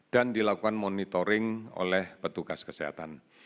dan dilakukan monitoring oleh petugas kesehatan